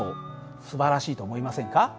すばらしいと思いませんか？